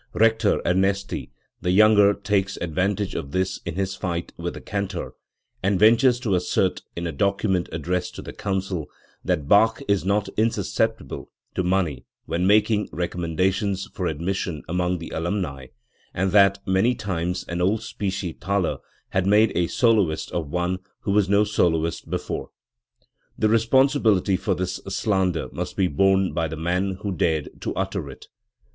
Rector Ernesti the younger takes advantage of this in his fight with the cantor, and ventures to assert, in a document addressed to the Council, that Bach is not insusceptible to money when making re commendation for admission 'among the alumni, and that many times an old specie thaler had made a soloist of one who was no soloist before . The responsibility for this slander must be borne by the man who dared to utter it.